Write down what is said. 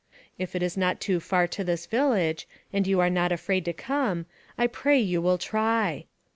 " If it is not too far to this village, and you are not afraid to come, I pray you will try.